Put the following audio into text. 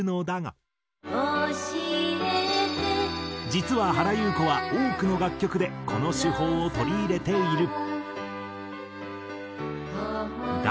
実は原由子は多くの楽曲でこの手法を取り入れている。